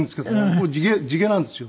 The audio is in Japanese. これ地毛なんですよ。